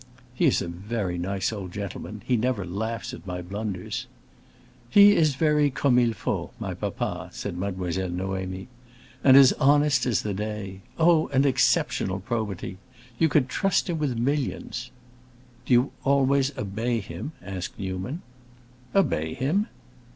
"He is a very nice old gentleman. He never laughs at my blunders." "He is very comme il faut, my papa," said Mademoiselle Noémie, "and as honest as the day. Oh, an exceptional probity! You could trust him with millions." "Do you always obey him?" asked Newman. "Obey him?"